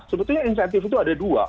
sebetulnya insentif itu ada dua